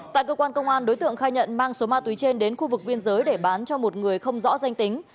tại cơ quan công an đối tượng khai nhận mang số ma túy trên đến khu vực biên giới để bán cho một người không rõ danh tính